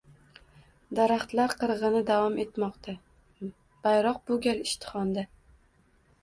Daraxtlar «qirg‘in»i davom etmoqda, bayroq bu gal Ishtixonda